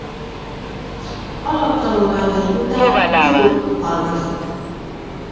Alap tanulmányai után jogot hallgatott.